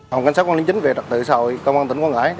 hồng cảnh sát quang linh chính về trật tự xã hội công an tỉnh quảng ngãi